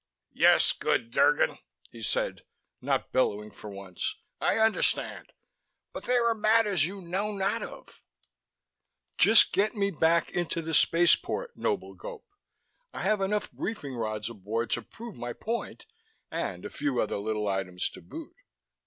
"Yes, good Drgon," he said, not bellowing for once. "I understand. But there are matters you know not of " "Just get me back into the spaceport, noble Gope. I have enough briefing rods aboard to prove my point and a few other little items to boot."